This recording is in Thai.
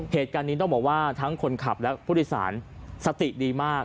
เหตุการณ์นี้ต้องบอกว่าทั้งคนขับและผู้โดยสารสติดีมาก